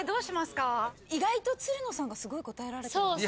意外とつるのさんがすごい答えられてる。